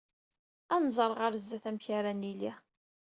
Ad nẓer ɣer zzat amek ara nili.